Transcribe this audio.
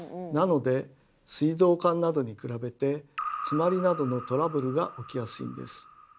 なので水道管などに比べて詰まりなどのトラブルが起きやすいんです。